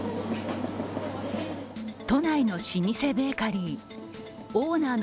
都内の老舗ベーカリー。